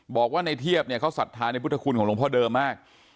บอกว่าในเทียบเนี่ยเขาศรัทธาในพุทธคุณของหลวงพ่อเดิมมาก